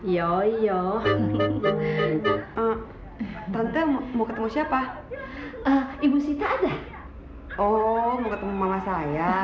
yo yo yo yo tante mau ketemu siapa ibu sita ada oh mau ketemu mama saya